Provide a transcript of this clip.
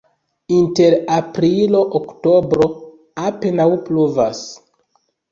Inter aprilo-oktobro apenaŭ pluvas.